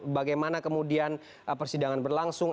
bagaimana kemudian persidangan berlangsung